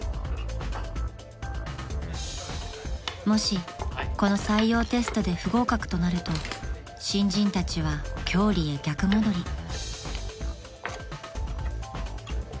［もしこの採用テストで不合格となると新人たちは郷里へ逆戻り］